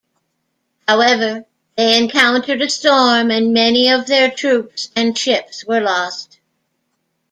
However, they encountered a storm and many of their troops and ships were lost.